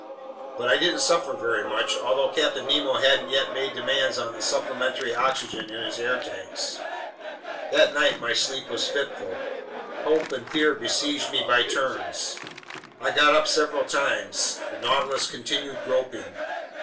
But I didn't suffer very much, although Captain Nemo hadn't yet made demands on the supplementary oxygen in his air tanks. That night my sleep was fitful. Hope and fear besieged me by turns. I got up several times. The Nautilus continued groping.